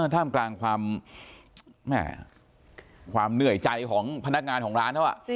ท่ามกลางความเหนื่อยใจของพนักงานของร้านเขา